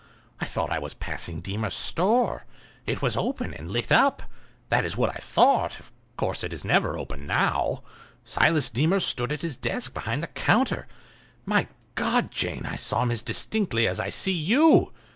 I thought I was passing Deemer's store; it was open and lit up—that is what I thought; of course it is never open now. Silas Deemer stood at his desk behind the counter. My God, Jane, I saw him as distinctly as I see you.